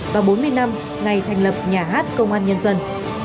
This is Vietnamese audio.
và bốn mươi năm ngày thành lập nhà hát công an nhân dân